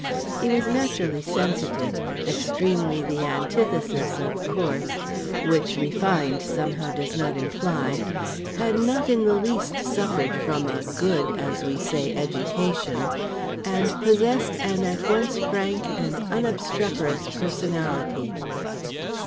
He was naturally sensitive, extremely the antithesis of coarse (which "refined" somehow does not imply) had not in the least suffered from a "good," as we say, education, and possessed an at once frank and unobstreperous personality.